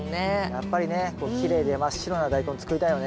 やっぱりねこうきれいで真っ白なダイコン作りたいよね。